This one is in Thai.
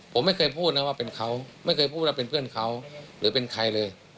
ผมไม่เคยพูดนะว่าเป็นเขาไม่เคยพูดว่าเป็นเพื่อนเขาหรือเป็นใครเลย